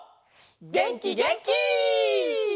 げんきげんき！